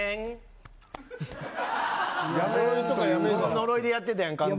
呪いでやってたやんか完全に。